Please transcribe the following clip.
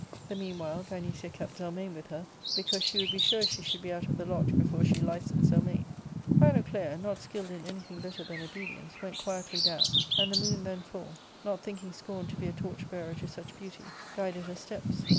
The meanwhile Gynecia kept Zelmane with her, because she would be sure she should be out of the lodge before she licensed [permitted] Zelmane. Philoclea, not skilled in any thing better than obedience, went quietly down, and the moon, then full, not thinking scorn to be a torch bearer to such beauty, guided her steps.